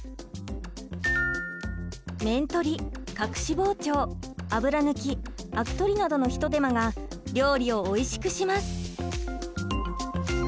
面取り隠し包丁油抜きアク取りなどの一手間が料理をおいしくします。